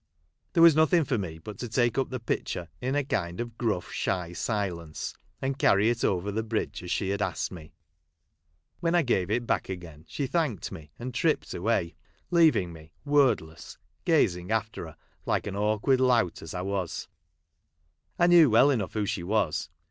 There was nothing for me but to take up the pitcher in a kind of gruff, shy silence, and carry it over the bridge as she had asked me. When I gave it her back again, she thanked me and tripped away, leaving me, word less, gazing after her like an awkward lout as I was. I knew well enough who she was.